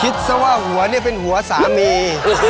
คิดซะว่าหัวเป็นหัวสามี